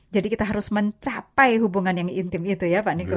jadi kita harus mencapai hubungan yang intim itu ya pak niko